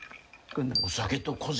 お酒と小銭。